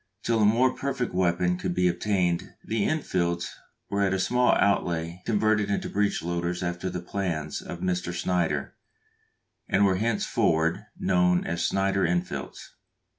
Till a more perfect weapon could be obtained the Enfields were at a small outlay converted into breech loaders after the plans of Mr. Snider, and were henceforward known as Snider Enfields.